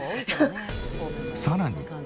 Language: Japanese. さらに。